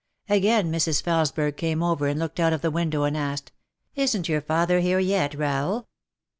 Again Mrs. Felesberg came over and looked out of the window and asked, "Isn't your father here yet, Rahel?"